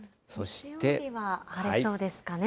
日曜日は晴れそうですかね。